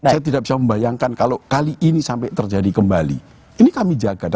saya tidak bisa membayangkan kalau kali ini sampai terjadi kembali ini kami jaga